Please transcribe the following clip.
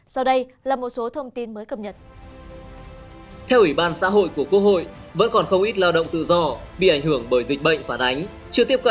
sau đây là một số thông tin mới cập nhật